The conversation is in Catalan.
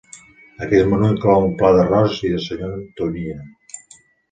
Aquest menú inclou un pla d'arròs i de segon tonyina.